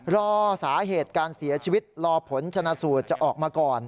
รอสาเหตุการเสียชีวิตรอผลชนะสูตรจะออกมาก่อน